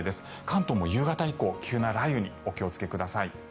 関東も夕方以降、急な雷雨にお気をつけください。